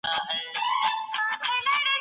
هیوادونه د کلتوري تنوع په اهمیت ښه پوهیږي.